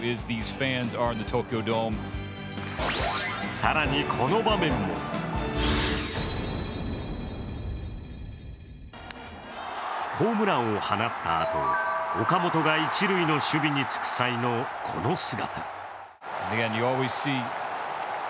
更に、この場面もホームランを放ったあと、岡本が一塁の守備に就く際のこの姿。